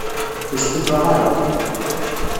Ur stufaɣ ara.